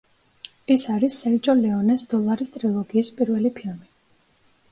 ის არის სერჯო ლეონეს „დოლარის ტრილოგიის“ პირველი ფილმი.